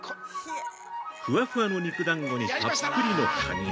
ふわふわの肉団子にたっぷりのカニ